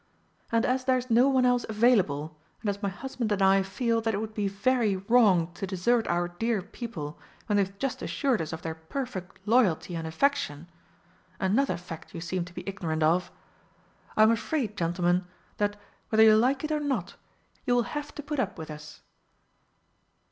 And, as there's no one else available, and as my husband and I feel that it would be very wrong to desert our dear people when they've just assured us of their perfect loyalty and affection (another fact you seem to be ignorant of!) I'm afraid, gentlemen, that, whether you like it or not, you will have to put up with us."